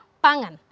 harga bahan pangan